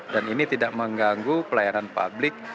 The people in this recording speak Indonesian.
dan ini tidak mengganggu pelayanan publik